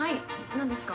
何ですか？